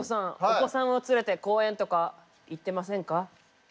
お子さんを連れて公園とか行ってませんか？